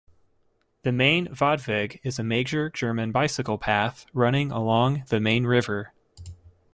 The Main-Radweg is a major German bicycle path running along the Main River.